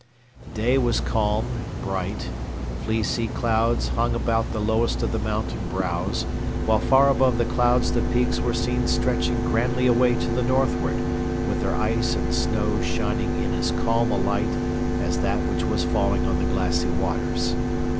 The day was calm, and bright, fleecy, clouds hung about the lowest of the mountain brows, while far above the clouds the peaks were seen stretching grandly away to the northward with their ice and snow shining in as calm a light as that which was falling on the glassy waters.